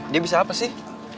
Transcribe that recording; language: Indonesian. dia bisa apa sih